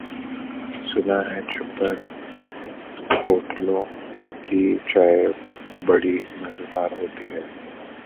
سنا ہے چھپر ہوٹلوں کی چائے بڑی مزیدار ہوتی ہے۔